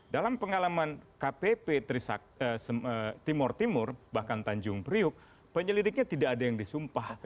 dalam pengalaman kpp timur timur bahkan tanjung priuk penyelidiknya tidak ada yang disumpah